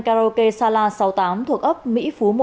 karaoke sala sáu mươi tám thuộc ấp mỹ phú một